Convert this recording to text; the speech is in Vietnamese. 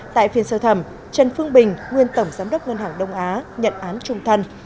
tại phiên sơ thẩm trần phương bình nguyên tổng giám đốc ngân hàng đông á nhận án trung thân